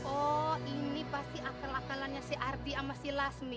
oh ini pasti akal akalannya si ardi sama si lasmi